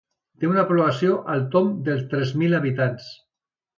Té una població al tomb dels tres mil habitants.